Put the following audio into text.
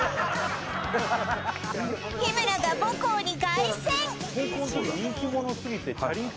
日村が母校に凱旋！